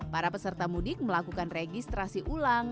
para peserta mudik melakukan registrasi ulang